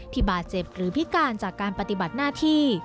บาดเจ็บหรือพิการจากการปฏิบัติหน้าที่